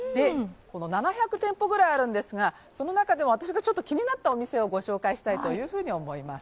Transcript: ７００店舗ぐらいあるんですが、その中でも私が気になったお店をご紹介したいと思います。